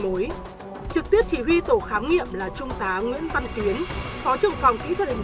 mối trực tiếp chỉ huy tổ khám nghiệm là trung tá nguyễn văn tuyến phó trưởng phòng kỹ thuật hình